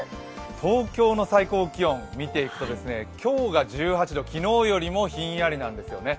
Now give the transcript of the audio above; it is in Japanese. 東京の最高気温を見ていくと今日が１８度、昨日よりもひんやりなんですよね。